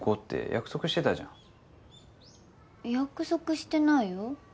約束してないよ。